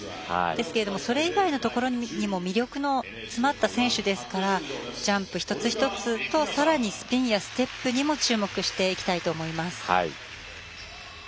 ですけれどもそれ以外のところにも魅力の詰まった選手ですからジャンプ一つ一つとさらにスピンやステップにも注目していきたいと思います。